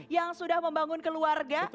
yang sudah membangun keluarga